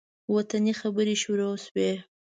وطني خبرې شروع شوې.